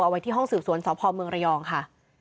ไว้ที่ห้องสืบสวนสพเมืองระยองค่ะ